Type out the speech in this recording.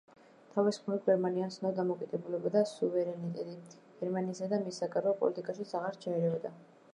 თავის მხრივ, გერმანიამ ცნო დამოკიდებულება და სუვერენიტეტი გერმანიისა და მის საგარეო პოლიტიკაშიც აღარ ჩაერეოდა.